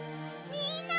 ・みんな！